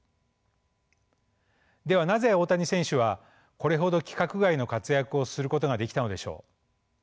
ではなぜ大谷選手はこれほど規格外の活躍をすることができたのでしょう。